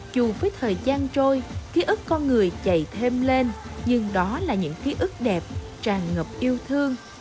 dù với thời gian trôi ký ức con người chạy thêm lên nhưng đó là những ký ức đẹp tràn ngập yêu thương